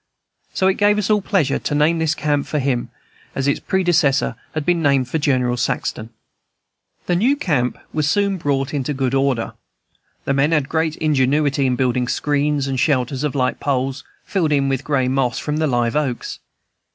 So it gave us all pleasure to name this camp for him, as its predecessor had been named for General Saxton. The new camp was soon brought into good order. The men had great ingenuity in building screens and shelters of light poles, filled in with the gray moss from the live oaks.